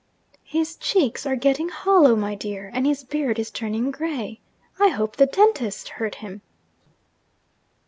'His cheeks are getting hollow, my dear, and his beard is turning grey. I hope the dentist hurt him!'